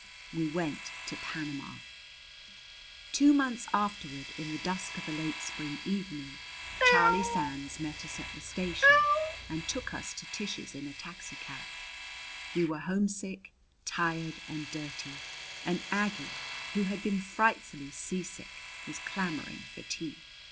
We went to Panama. Two months afterward, in the dusk of a late spring evening, Charlie Sands met us at the station and took us to Tish's in a taxicab. We were homesick, tired, and dirty; and Aggie, who had been frightfully seasick, was clamoring for tea.